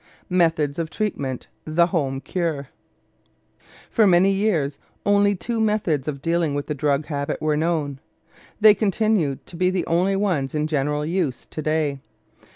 METHODS OF TREATMENT: "THE HOME CURE" For many years only two methods of dealing with the drug habit were known. They continue to be the only ones in general use to day.